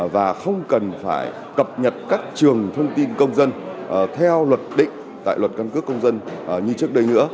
và không cần phải cập nhật các trường thông tin công dân theo luật định tại luật căn cước công dân như trước đây nữa